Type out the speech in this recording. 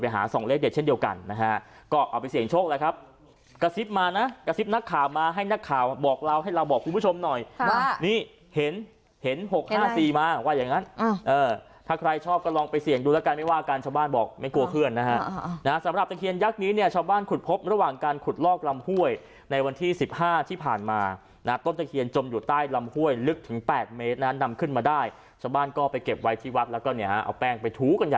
เห็นเห็นหกห้าสี่มาว่าอย่างงั้นเออถ้าใครชอบก็ลองไปเสี่ยงดูแล้วกันไม่ว่ากันชาวบ้านบอกไม่กลัวเคลื่อนนะฮะนะฮะสำหรับตะเคียนยักษ์นี้เนี่ยชาวบ้านขุดพบระหว่างการขุดลอกลำห้วยในวันที่สิบห้าที่ผ่านมานะฮะต้นตะเคียนจมอยู่ใต้ลำห้วยลึกถึงแปดเมตรนะฮะนำขึ้นมาได้ชาวบ้านก็ไป